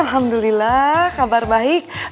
alhamdulillah kabar baik